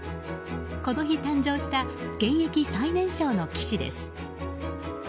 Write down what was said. この日誕生した現役最年少の棋士です。